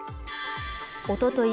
おととい